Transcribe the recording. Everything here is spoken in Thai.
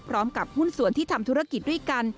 พร้อมกับหุ้นส่วนที่ทำธุรกิจด้วยกัน